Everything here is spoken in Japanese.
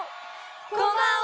こんばんは！